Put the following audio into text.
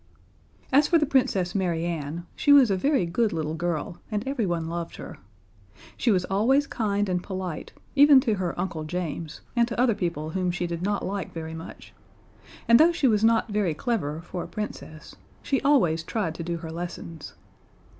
As for the Princess Mary Ann, she was a very good little girl, and everyone loved her. She was always kind and polite, even to her Uncle James and to other people whom she did not like very much; and though she was not very clever, for a Princess, she always tried to do her lessons.